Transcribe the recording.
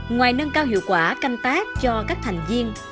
ngoài nâng cao hiệu quả canh tác cho các thành viên